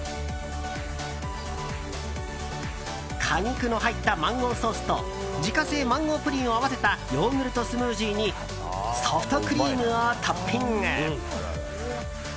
果肉の入ったマンゴーソースと自家製マンゴープリンを合わせたヨーグルトスムージーにソフトクリームをトッピング。